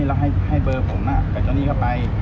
แล้วให้เบอร์ผมกับเจ้าหนี้เข้าไป